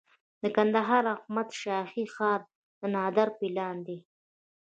د کندهار احمد شاهي ښار د نادر پلان دی